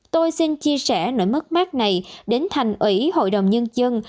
tôi xin chia sẻ nỗi mất mát này đến thành ủy hội đồng nhân dân